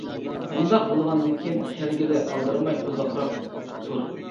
ئۇنداق بولغاندىن كېيىن كەلگىلى ئالدىرىماي ئۇزاقراق تۇر.